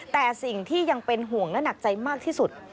แต่สิ่งที่ยังเป็นห่วงและหนักใจมากที่สุด